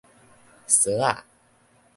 趖仔